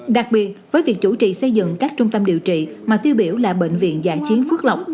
đặc biệt với việc chủ trì xây dựng các trung tâm điều trị mà tiêu biểu là bệnh viện dạ chiến phước lọc